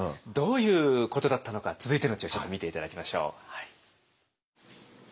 どういうことだったのか続いての知恵ちょっと見て頂きましょう。